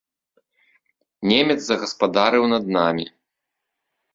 Немец загаспадарыў над намі.